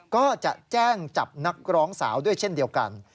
ก็จะแจ้งจับนักร้องสาวด้วยเช่นเดียวกัน